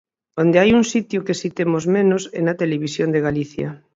Onde hai un sitio que si temos menos é na Televisión de Galicia.